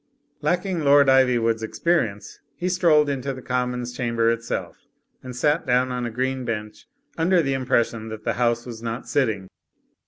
Lacking Lord Ivywood's experience, he strolled into the Common's Chamber itself and sat down on a green bench, under the impression that the House was not sitting.